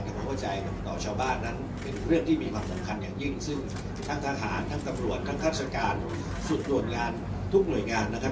ทั้งคาหารทั้งกำรวจทั้งฆาตรการส่วนด่วนงานทุกหน่วยงานนะครับ